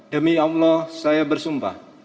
demi allah saya bersumpah